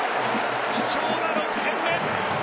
貴重な６点目。